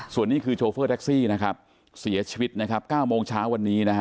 ส่วนนี้คือโชเฟอร์แท็กซี่นะครับเสียชีวิตนะครับ๙โมงเช้าวันนี้นะฮะ